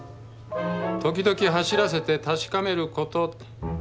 「時々走らせて確かめること」。